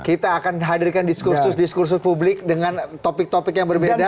kita akan hadirkan diskursus diskursus publik dengan topik topik yang berbeda